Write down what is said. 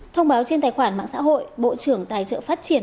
thông báo trên tài khoản mạng xã hội bộ trưởng tài trợ phát triển